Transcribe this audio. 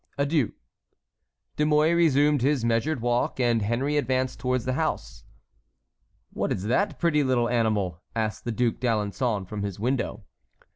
Adieu." De Mouy resumed his measured walk, and Henry advanced towards the house. "What is that pretty little animal?" asked the Duc d'Alençon from his window.